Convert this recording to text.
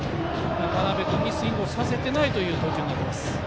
真鍋君にスイングをさせていない投球になっています。